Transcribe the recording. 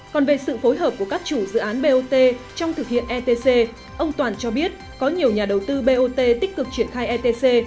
còn về sự phối hợp của các chủ dự án bot trong thực hiện etc ông toàn cho biết có nhiều nhà đầu tư bot tích cực triển khai etc